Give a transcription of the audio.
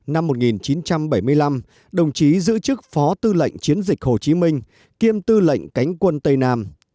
năm một nghìn chín trăm bảy mươi năm đồng chí giữ chức phó tư lệnh chiến dịch hồ chí minh kiêm tư lệnh cánh quân tây nam